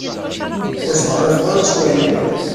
Ur steɛṛifeɣ ara s waya.